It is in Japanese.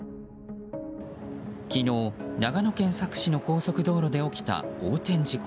昨日、長野県佐久市の高速道路で起きた横転事故。